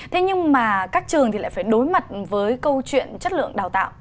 thế nhưng mà các trường thì lại phải đối mặt với câu chuyện chất lượng đào tạo